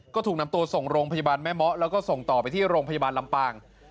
ก็ถูกนำตัวส่งโรงพยาบาลแม่เมาะแล้วก็ส่งต่อไปที่โรงพยาบาลลำปาง